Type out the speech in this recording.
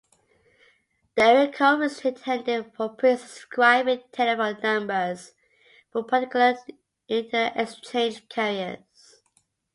The area code was intended for presubscribing telephone numbers to particular interexchange carriers.